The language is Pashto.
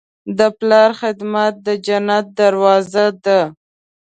د پلار خدمت د جنت دروازه ده.